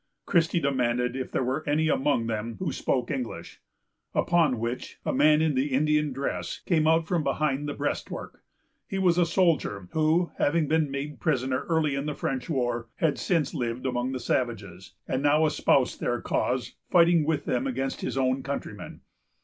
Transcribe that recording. Christie demanded if there were any among them who spoke English; upon which, a man in the Indian dress came out from behind the breastwork. He was a soldier, who, having been made prisoner early in the French war, had since lived among the savages, and now espoused their cause, fighting with them against his own countrymen.